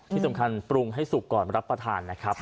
ที่สำคัญปรุงให้สุกก่อนรับประทานนะครับ